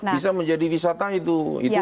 bisa menjadi wisata itu